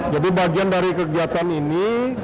jadi bagian dari kegiatan ini